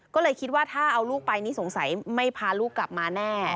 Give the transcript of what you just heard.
ก็เลยคิดว่าถ้าเอาลูกไปนี่สงสัยไม่พาลูกกลับมาแน่